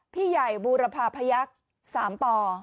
พี่ใหญ่บูรพาพยักษ์๓ป